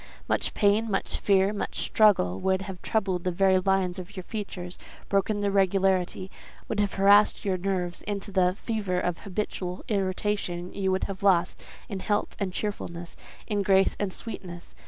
Much pain, much fear, much struggle, would have troubled the very lines of your features, broken their regularity, would have harassed your nerves into the fever of habitual irritation; you would have lost in health and cheerfulness, in grace and sweetness.